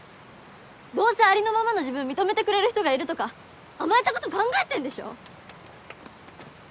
どうせありのままの自分認めてくれる人がいるとか甘えたこと考えてんでしょ？